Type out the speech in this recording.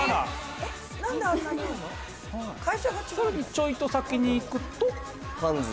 ちょいと先に行くと。